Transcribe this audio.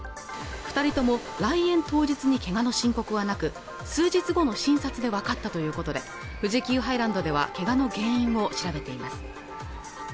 二人とも来園当日に怪我の申告はなく数日後の診察で分かったということで富士急ハイランドでは怪我の原因を調べています